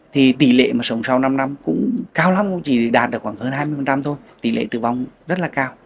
thì tỷ lệ mà sống sau năm năm cũng cao lắm cũng chỉ đạt được khoảng hơn hai mươi thôi tỷ lệ tử vong rất là cao